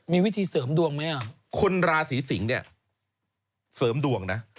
มีวิธีเสริมดวงไหมคนราศีสิงศ์เนี่ยเสริมดวงนะ